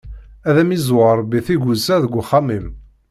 Ad am-iẓẓu Ṛebbi tigusa deg uxxam-im!